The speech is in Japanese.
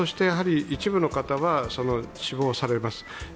一部の方は、死亡されます。